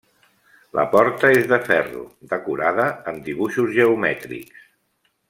La porta és de ferro, decorada amb dibuixos geomètrics.